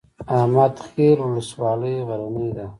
احمد خیل ولسوالۍ غرنۍ ده؟